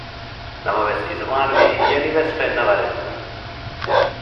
ނަމަވެސް އިޒުވާނުގެ ހިޔަނިވެސް ފެންނަވަރެއް ނުވި